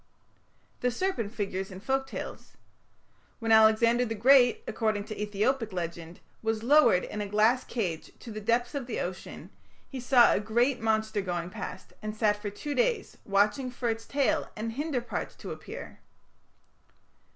The serpent figures in folk tales. When Alexander the Great, according to Ethiopic legend, was lowered in a glass cage to the depths of the ocean, he saw a great monster going past, and sat for two days "watching for its tail and hinder parts to appear".